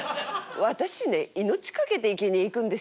私ね命懸けていけにえ行くんですよ。